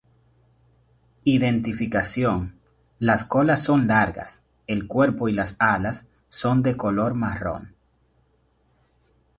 Identificación: las colas son largas; El cuerpo y las alas son de color marrón.